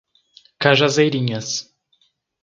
Cajazeirinhas